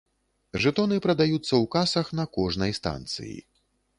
Жэтоны прадаюцца ў касах на кожнай станцыі.